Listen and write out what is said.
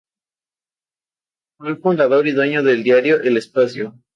Fue fundador y dueño del diario El Espacio.